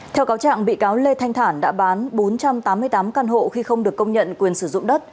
theo cáo trạng bị cáo lê thanh thản đã bán bốn trăm tám mươi tám căn hộ khi không được công nhận quyền sử dụng đất